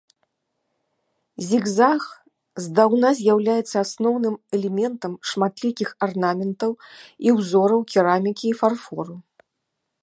Зігзаг здаўна з'яўляецца асноўным элементам шматлікіх арнаментаў і ўзораў керамікі і фарфору.